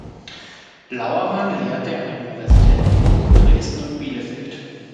Lauermann lehrte an den Universitäten Bochum, Dresden und Bielefeld.